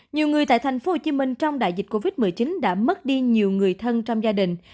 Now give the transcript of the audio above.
nhiều người tại tp hcm trong đại dịch covid một mươi chín đã mất đi nhiều người thân trong gia đình